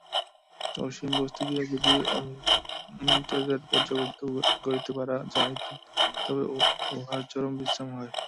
সসীম বস্তুকে যদি অনন্তের পর্যায়ভুক্ত করিতে পারা যায়, তবে উহার চরম বিশ্রাম হয়।